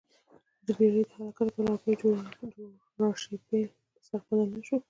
د بېړۍ د حرکت لپاره لرګیو جوړ راشبېل په څرخ بدل نه شو